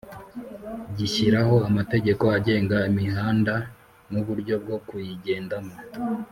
gishyiraho amategeko agenga imihanda n’uburyo bwo kuyigendamo